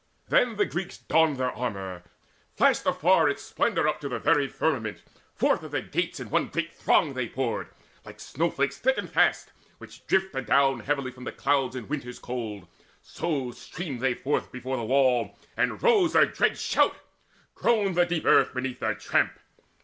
Then the Greeks donned their armour: flashed afar Its splendour up to the very firmament. Forth of their gates in one great throng they poured, Like snowflakes thick and fast, which drift adown Heavily from the clouds in winter's cold; So streamed they forth before the wall, and rose Their dread shout: groaned the deep earth 'neath their tramp.